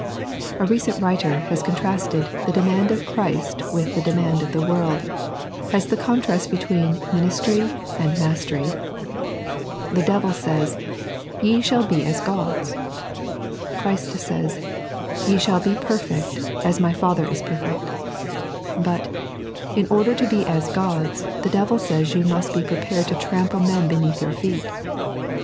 A recent writer has contrasted the demand of Ciirist with the demand of the world, as the contrast between ministry and mastery. The devil says :" Ye shall be as gods." Christ says :" Ye shall be perfect, as My Father is perfect." But, in order to be as gods, the devil says you must be prepared to trample men beneath your feet.